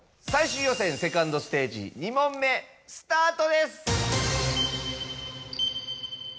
最終予選２ｎｄステージ２問目スタートです。